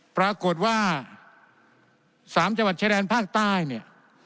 ปรากฏว่า๓จังหวัดชายแดนภาคใต้เนี่ย